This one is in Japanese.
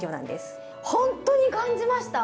ほんとに感じました！